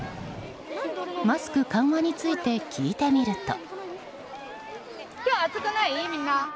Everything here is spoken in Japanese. マスク緩和について聞いてみると。